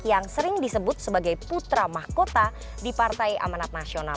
yang sering disebut sebagai putra mahkota di partai amanat nasional